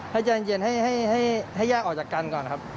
ให้ใจเย็นให้แยกออกจากกันก่อนครับ